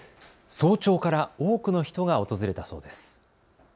早朝から多くの人が訪れたそうです。